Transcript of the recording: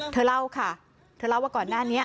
เธอเล่าค่ะเธอเล่าว่าก่อนหน้านี้